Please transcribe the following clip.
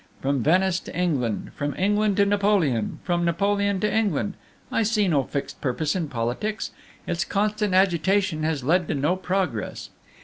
from Venice to England, from England to Napoleon, from Napoleon to England, I see no fixed purpose in politics; its constant agitation has led to no progress.